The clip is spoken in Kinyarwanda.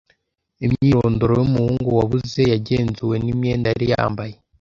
Imyirondoro y’umuhungu wabuze yagenzuwe n’imyenda yari yambaye